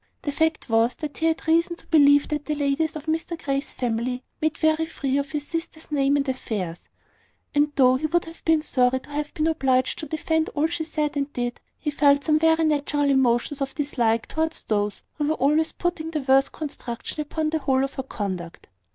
The fact was, that he had reason to believe that the ladies of Mr Grey's family made very free with his sister's name and affairs; and though he would have been sorry to have been obliged to defend all she said and did, he felt some very natural emotions of dislike towards those who were always putting the worst construction upon the whole of her conduct.